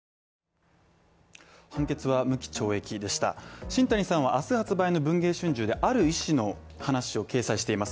判決は無期懲役でした新谷さんは明日発売の「文藝春秋」である医師の話を掲載しています。